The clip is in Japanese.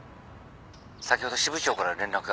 先ほど支部長から連絡が。